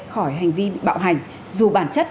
khỏi hành vi bạo hành dù bản chất